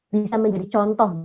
bisa menjadi contoh